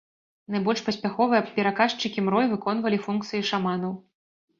Найбольш паспяховыя пераказчыкі мрой выконвалі функцыі шаманаў.